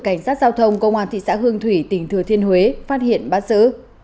cảnh sát giao thông công an thị xã hương thủy tỉnh thừa thiên huế phát hiện bắt giữ